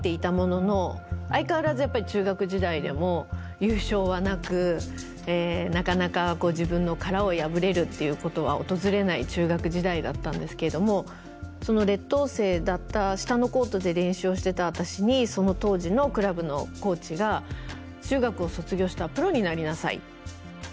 やっぱり中学時代でも優勝はなくなかなか自分の殻を破れるっていうことは訪れない中学時代だったんですけれどもその劣等生だった下のコートで練習をしてた私にその当時のクラブのコーチが中学を卒業したらプロになりなさいって言ってくれたんですね。